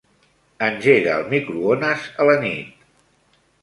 Engega el microones a la nit.